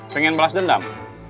pengen balas dendam